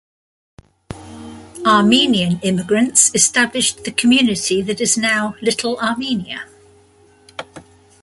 Armenian immigrants established the community that is now Little Armenia.